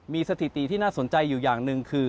มีสถิติที่น่าสนใจอยู่อย่างหนึ่งคือ